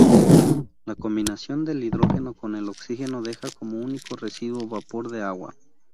La combinación del hidrógeno con el oxígeno deja como único residuo vapor de agua.